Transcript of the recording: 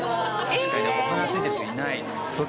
確かにお花ついてる人いない。